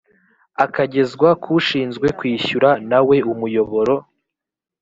akagezwa k’ushinzwe kwishyura na we umuyoboro